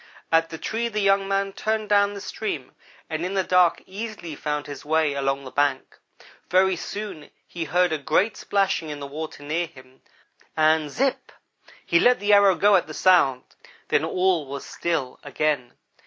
At the tree the young man turned down the stream and in the dark easily found his way along the bank. Very soon he heard a great splashing in the water near him, and zipp he let the arrow go at the sound then all was still again.